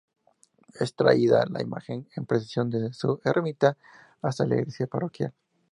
Es traída la imagen en procesión desde su ermita hasta la iglesia Parroquial.